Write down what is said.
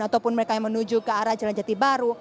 ataupun mereka yang menuju ke arah jalan jati baru